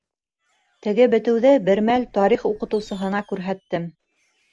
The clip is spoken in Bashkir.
Теге бетеүҙе бер мәл тарих уҡытыусыһына күрһәттем.